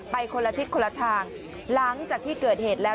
คนละทิศคนละทางหลังจากที่เกิดเหตุแล้ว